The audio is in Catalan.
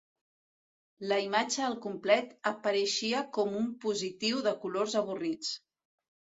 La imatge al complet apareixia com un positiu de colors avorrits.